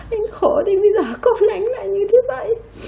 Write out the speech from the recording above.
anh khổ thì bây giờ con anh lại như thế vậy